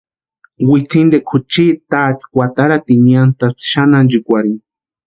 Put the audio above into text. Witsintikwa juchi taati kwataratini niantʼaspti xani ánchikwarhini.